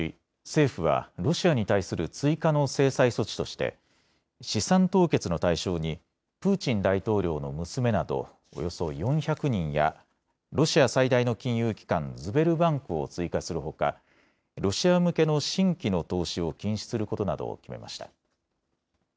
政府はロシアに対する追加の制裁措置として資産凍結の対象にプーチン大統領の娘などおよそ４００人やロシア最大の金融機関、ズベルバンクを追加するほかロシア向けの新規の投資を禁止することなどを決めました。